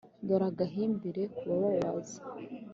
dore agambirire kubababaza.